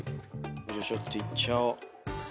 ちょっといっちゃおう。